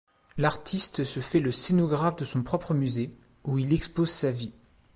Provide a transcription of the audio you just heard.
L'artiste se fait le scénographe de son propre musée où il expose sa vie.